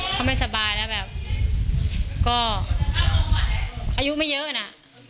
ถ้าไม่สบายแล้วแบบก็อายุไม่เยอะน่ะ